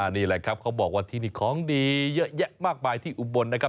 นี่แหละครับเขาบอกว่าที่นี่ของดีเยอะแยะมากมายที่อุบลนะครับ